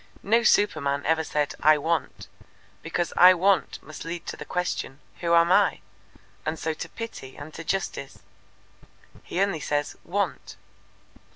"No superman ever said 'I want,' because 'I want' must lead to the question, 'Who am I?' and so to Pity and to Justice. He only says 'want.'